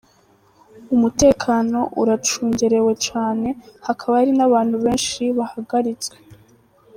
Umutekano uracungerewe cane, hakaba hari n’abantu benshi bahagaritswe.